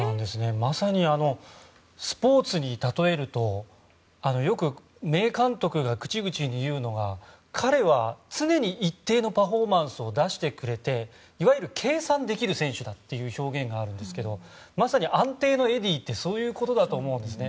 まさにスポーツに例えるとよく名監督が口々に言うのが彼は、常に一定のパフォーマンスを出してくれていわゆる計算できる選手だという表現があるんですけどまさに安定のエディってそういうことだと思うんですね。